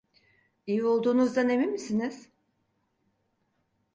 İyi olduğunuzdan emin misiniz?